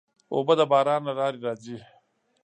اوبه د باران له لارې راځي.